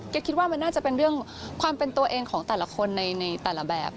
ก็คิดว่ามันน่าจะเป็นเรื่องความเป็นตัวเองของแต่ละคนในแต่ละแบบ